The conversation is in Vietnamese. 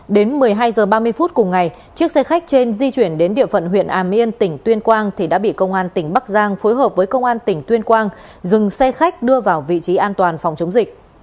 đến một mươi hai h ba mươi phút cùng ngày chiếc xe khách trên di chuyển đến địa phận huyện hàm yên tỉnh tuyên quang thì đã bị công an tỉnh bắc giang phối hợp với công an tỉnh tuyên quang dừng xe khách đưa vào vị trí an toàn phòng chống dịch